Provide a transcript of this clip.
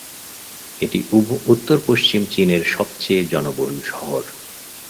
এটি উত্তর-পশ্চিম চীনের সবচেয়ে জনবহুল শহর।